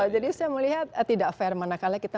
jadi saya melihat tidak fair manakala kita